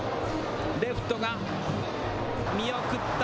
レフトが見送った。